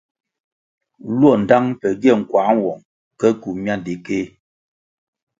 Luo ndtang pe gie nkuăh nwong ke kywu miandikéh.